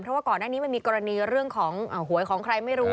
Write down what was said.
เพราะว่าก่อนหน้านี้มันมีกรณีเรื่องของหวยของใครไม่รู้